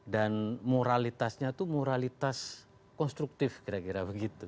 dan moralitasnya itu moralitas konstruktif kira kira